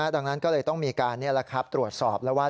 ดังนั้นก็เลยต้องมีการตรวจสอบแล้วว่า